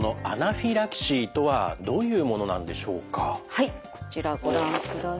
はいこちらご覧ください。